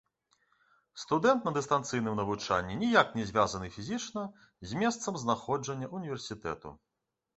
Студэнт на дыстанцыйным навучанні ніяк не звязаны фізічна з месцам знаходжання ўніверсітэту.